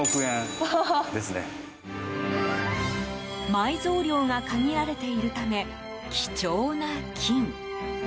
埋蔵量が限られているため貴重な金。